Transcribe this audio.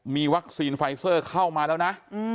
มีวัคซีนไฟเซอร์เข้ามาแล้วนะ